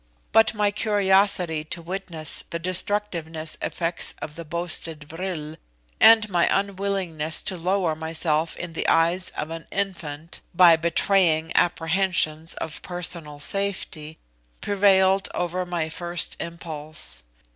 But my curiosity to witness the destructive effects of the boasted vril, and my unwillingness to lower myself in the eyes of an infant by betraying apprehensions of personal safety, prevailed over my first impulse.